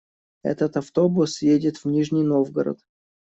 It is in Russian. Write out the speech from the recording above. Этот автобус едет в Нижний Новгород.